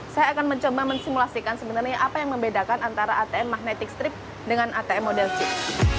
saya akan mencoba mensimulasikan sebenarnya apa yang membedakan antara atm magnetic strip dengan atm model chip